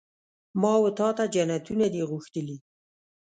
ما وتا ته جنتونه دي غوښتلي